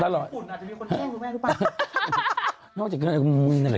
ริซาริซาไม่นะ